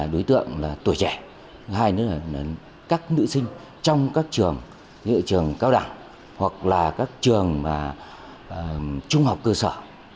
đối tượng là tuổi trẻ thứ hai nữa là các nữ sinh trong các trường như trường cao đẳng hoặc là các trường trung học cơ sở